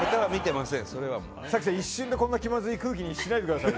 早紀さん、一瞬でこんな気まずい空気にしないでください。